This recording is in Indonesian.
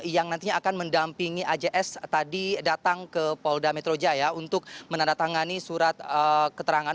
yang nantinya akan mendampingi ajs tadi datang ke polda metro jaya untuk menandatangani surat keterangan